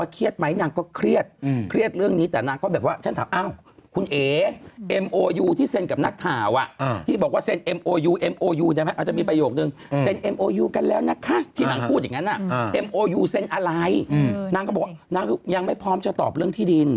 เกี่ยวกับที่ดินนี่นะครับฮือ